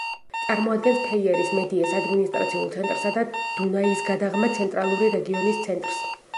წარმოადგენს ფეიერის მედიეს ადმინისტრაციულ ცენტრსა და დუნაისგადაღმა ცენტრალური რეგიონის ცენტრს.